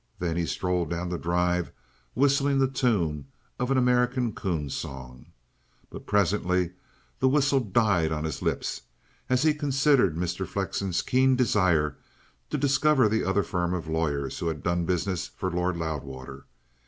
Then he strolled down the drive whistling the tune of an American coon song. But presently the whistle died on his lips as he considered Mr. Flexen's keen desire to discover the other firm of lawyers who had done business for Lord Loudwater.